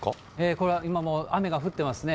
これは今、もう雨が降っていますね。